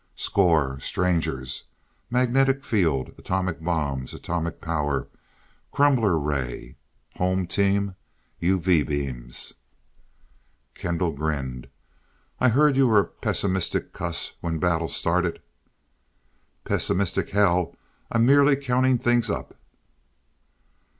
"Score: Strangers; magnetic field, atomic bombs, atomic power, crumbler ray. Home team; UV beams." Kendall grinned. "I'd heard you were a pessimistic cuss when battle started " "Pessimistic, hell, I'm merely counting things up."